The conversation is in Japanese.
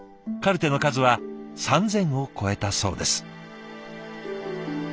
カルテの数は３，０００を超えたそうです。